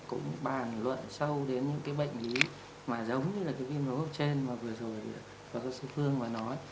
cũng bàn luận sâu đến những cái bệnh lý mà giống như là cái viêm hô hấp trên mà vừa rồi phóng sư phương và nói